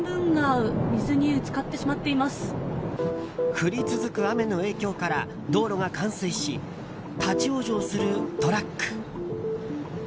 降り続く雨の影響から道路が冠水し立ち往生するトラック。